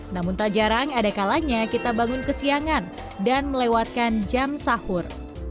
namun tak jarang ada kalanya kita bangun kesiangan dan melewatkan jam sahur